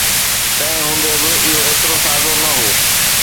تنهن هوندي به، اهو ايترو سادو نه هو